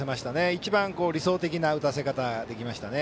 一番、理想的な打たせ方ができましたね。